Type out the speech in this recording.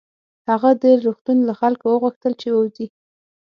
هغه د روغتون له خلکو وغوښتل چې ووځي